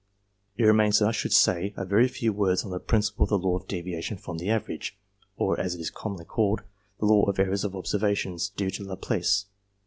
It remains that I should say a very few words on the principle of the law of deviation from an average, or, as it is commonly called, the law of Errors of Observations, due to La Place.